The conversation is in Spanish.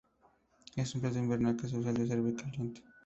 Es un plato invernal que se suele servir caliente.